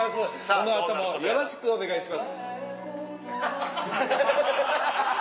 この後もよろしくお願いします。